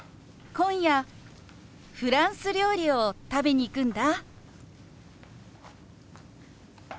今夜フランス料理を食べに行くんだ。